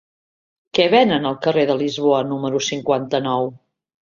Què venen al carrer de Lisboa número cinquanta-nou?